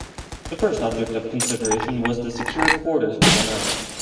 The first object of consideration was to secure quarters for the night.